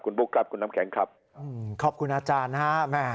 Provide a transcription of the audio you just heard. คุณบุ๊คครับคุณน้ำแข็งครับขอบคุณอาจารย์นะฮะ